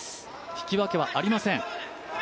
引き分けはありません。